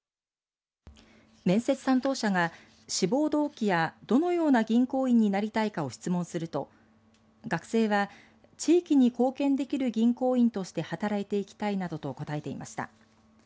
面接担当者が志望動機や、どのような銀行員になりたいかを質問すると学生は地域に貢献できる銀行員として働いていきたいなどと答えていました。